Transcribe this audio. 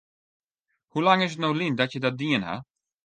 Hoe lang is it no lyn dat je dat dien ha?